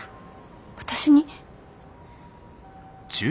私に？